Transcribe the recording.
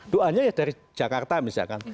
doanya ya dari jakarta misalkan